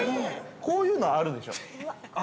◆こういうのはあるでしょう。